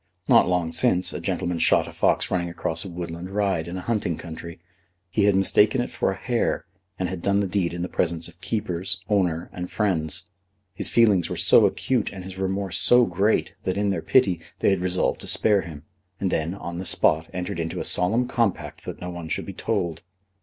Not long since a gentleman shot a fox running across a woodland ride in a hunting country. He had mistaken it for a hare, and had done the deed in the presence of keepers, owner, and friends. His feelings were so acute and his remorse so great that, in their pity, they had resolved to spare him; and then, on the spot, entered into a solemn compact that no one should be told.